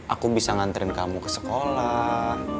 aku bisa nganterin kamu ke sekolah